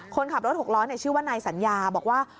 คนขับรถหกล้อชื่อว่านายสัญญาบอกว่า